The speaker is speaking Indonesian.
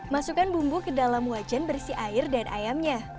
masukkan bumbu ke dalam wajan berisi air dan ayamnya